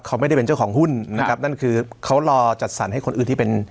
เขาไม่ได้เป็นเจ้าของหุ้นนะครับนั่นคือเขารอจัดสรรให้คนอื่นที่เป็น